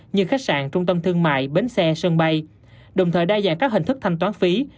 như khách sạn trung tâm thương mại bến xe sân bay đồng thời đa dạng các hình thức thanh toán phí